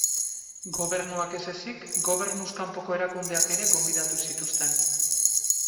Gobernuak ez ezik, gobernuz kanpoko erakundeak ere gonbidatu zituzten.